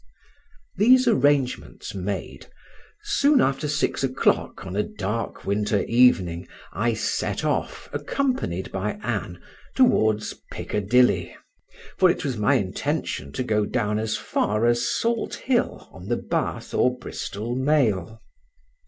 These arrangements made, soon after six o'clock on a dark winter evening I set off, accompanied by Ann, towards Piccadilly; for it was my intention to go down as far as Salthill on the Bath or Bristol mail.